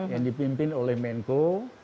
yang dipimpin oleh menko